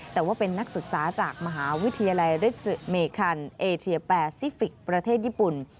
แต่ว่าเป็นนักศึกษาจากมหาวิทยาลัยฤทธิ์เมคันเอเชียแปซิฟิกประเทศญี่ปุ่น